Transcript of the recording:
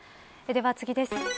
では、次です。